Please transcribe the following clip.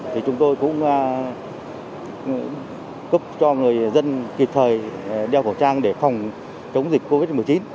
thì chúng tôi cũng cấp cho người dân kịp thời đeo khẩu trang để phòng chống dịch covid một mươi chín